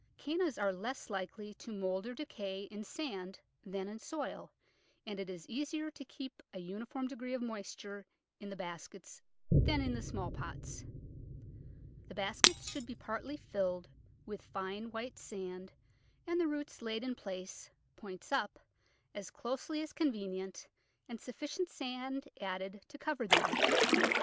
Cannas are less likely to mould or decay in sand than in soil, and it is easier to keep a uniform degree of moisture in the baskets than in the small pots. The baskets should be partly filled with fine white sand and the roots laid in place, points up, as closely as »47 Digitized by Google 148 The Flower Garden [Chapter convenient, and sufficient sand added to cover them.